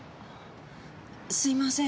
すいません。